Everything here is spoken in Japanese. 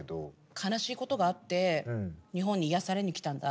悲しいことがあって日本に癒やされに来たんだ。